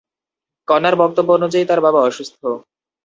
কন্যার বক্তব্য অনুযায়ী তার বাবা অসুস্থ।